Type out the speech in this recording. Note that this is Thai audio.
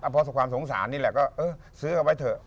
พอความสงสารนี่แหละก็เออซื้อเอาไว้เถอะ